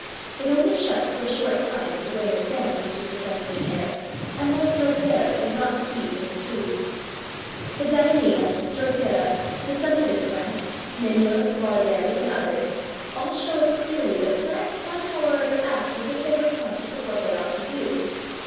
It only shuts for a short time if a grain of sand touches the sensitive hair, and, like Drosera, is not deceived in its food. The Dionæa, Drosera, the Sensitive Plant, Mimulus, Barberry, and others, all show us clearly that plants somehow or other act as if they were conscious of what they ought to do.